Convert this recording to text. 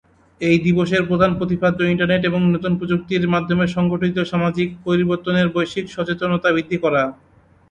এই দিবসের প্রধান প্রতিপাদ্য ইন্টারনেট এবং নতুন প্রযুক্তির মাধ্যমে সঙ্ঘটিত সামাজিক পরিবর্তনের বৈশ্বিক সচেতনতা বৃদ্ধি করা।